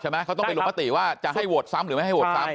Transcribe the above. เขาต้องไปลงมติว่าจะให้โหวตซ้ำหรือไม่ให้โหวตซ้ำ